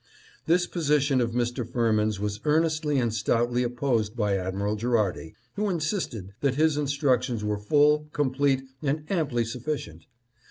This position of Mr. Firmin's was earnestly and stoutly opposed by Admiral Gherardi, who insisted that his instructions were full, complete, and amply sufficient.